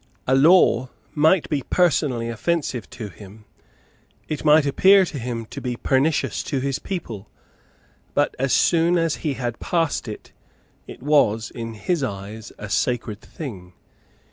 A law might be personally offensive to him; it might appear to him to be pernicious to his people; but, as soon as he had passed it, it was, in his eyes, a sacred thing.